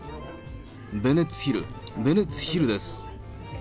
ベネッツヒル、ベネツヒルです。